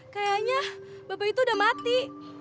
kayaknya bapak itu udah mati